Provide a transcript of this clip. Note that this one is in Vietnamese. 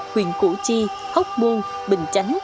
huyện củ chi hốc buông bình chánh